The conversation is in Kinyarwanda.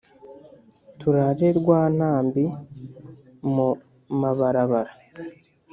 Turare rwa ntambi mu mabarabara